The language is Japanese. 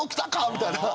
みたいな。